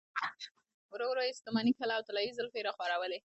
ورو ورو يې ستوماني کښله او طلايې زلفې يې راخورولې.